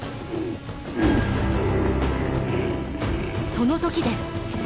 その時です。